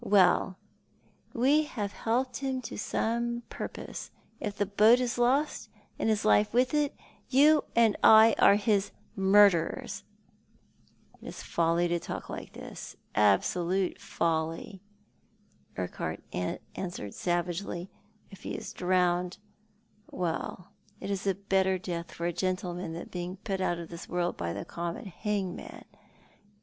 "Well, we have helped him to some pur pose ! If the boat is lost, and his life with it, yoix and I are his murderers !"" It is folly to talk like this — absolute folly," Urquhart answered savagely. "If he is drowned — well, it is a better death for a gentleman than being put out of this world by the common hangman.